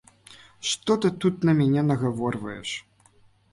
Што ты тут на мяне нагаворваеш!